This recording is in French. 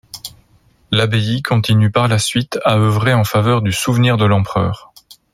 L'abbaye continue par la suite à œuvrer en faveur du souvenir de l'empereur.